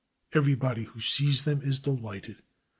Everybody who sees them is dehghted.